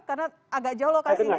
karena agak jauh lokasinya